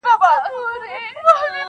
راځه ولاړ سو له دې ښاره مرور سو له جهانه -